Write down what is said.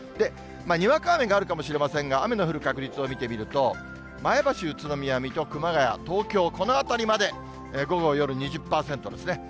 にわか雨があるかもしれませんが、雨の降る確率を見てみると、前橋、宇都宮、水戸、熊谷、東京、この辺りまで午後夜２０％ですね。